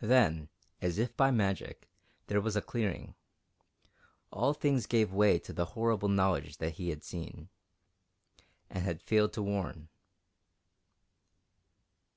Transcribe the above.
Then, as if by magic, there was a clearing all things gave way to the horrible knowledge that he had seen and had failed to warn.